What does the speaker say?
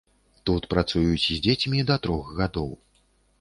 Тут працуюць з дзецьмі да трох гадоў.